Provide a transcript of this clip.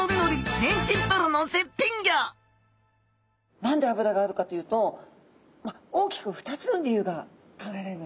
何で脂があるかというと大きく２つの理由が考えられますね。